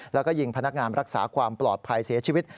แล้วก็ยิงพนักงานรักษาความปลอดภัยเสียชีวิต